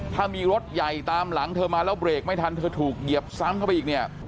ถ้ามีรถใหญ่ตามหลังเธอมาแล้วเบรกไม่ทันเธอถูกเหยียบซ้ำเข้าไปอีกเนี่ย